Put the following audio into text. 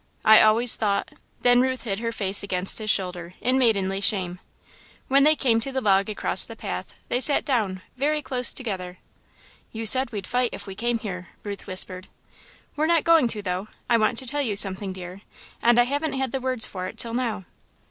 I always thought " Then Ruth hid her face against his shoulder, in maidenly shame. When they came to the log across the path, they sat down, very close together. "You said we'd fight if we came here," Ruth whispered. "We're not going to, though. I want to tell you something, dear, and I haven't had the words for it till now."